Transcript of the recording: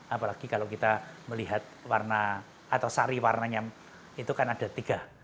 apalagi kalau kita melihat warna atau sari warnanya itu kan ada tiga